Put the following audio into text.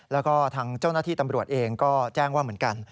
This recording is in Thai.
แล้วก็ทางเจ้าหน้าที่ตำรวจเองก็แจ้งว่าเหมือนกัน